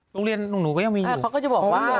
โรงเรียนหนุ่งหนูก็ยังมีอยู่